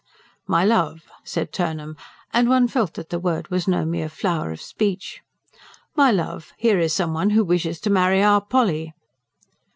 "My love," said Turnham and one felt that the word was no mere flower of speech. "My love, here is someone who wishes to marry our Polly."